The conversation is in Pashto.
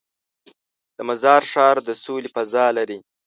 د مزار ښار د سولې فضا لري.